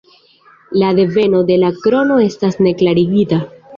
La deveno de la krono estas ne klarigita.